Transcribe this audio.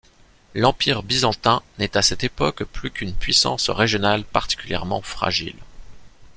L'Empire byzantin n'est à cette époque plus qu'une puissance régionale particulièrement fragile.